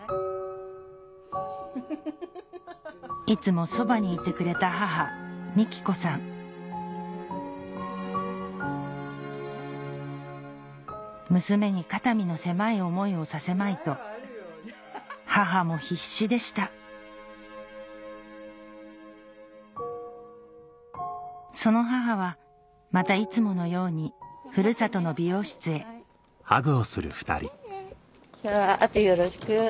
いつもそばにいてくれた母幹子さん娘に肩身の狭い思いをさせまいと母も必死でしたその母はまたいつものように故郷の美容室へあとよろしく。